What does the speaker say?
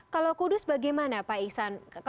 kalau kudus bagaimana pak ihsan